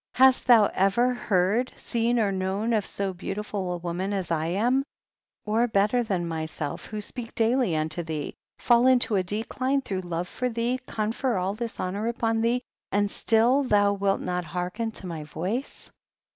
Hast thou ever heard, seen or known of so beautiful a woman as I am, or better than myself, who speak daily unto thee, fall into a decline through love for thee, confer all this honor upon thee, and still thou wilt not hearken to my voice